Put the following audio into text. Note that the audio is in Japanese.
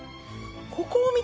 ここを見て。